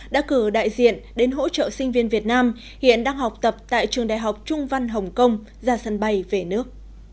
đã cử đại diện đến hỗ trợ sinh viên việt nam hiện đang học tập tại trường đại học trung văn hồng kông ra sân bay về nước